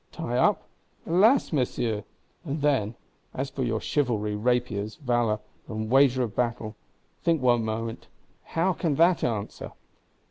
Tie up? Alas, Messieurs! And then, as for your chivalry rapiers, valour and wager of battle, think one moment, how can that answer?